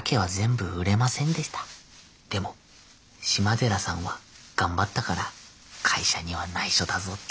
でも島寺さんは頑張ったから会社にはないしょだぞって。